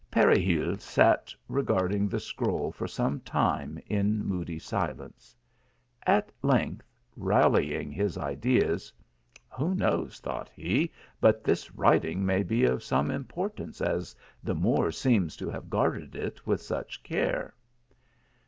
Peregil sat regarding the scroll for some time in moody silence. 170 THE ALHAMBRA. At length rallying his ideas, " Who knows," thought he, " but this writing may be of some importance, as the Moor seems to have guarded it with such care."